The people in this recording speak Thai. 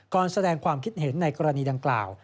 แสดงความคิดเห็นในกรณีดังกล่าว